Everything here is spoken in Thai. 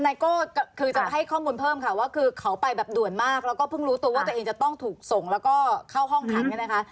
โก้คือจะให้ข้อมูลเพิ่มค่ะว่าคือเขาไปแบบด่วนมากแล้วก็เพิ่งรู้ตัวว่าตัวเองจะต้องถูกส่งแล้วก็เข้าห้องขังเนี่ยนะคะ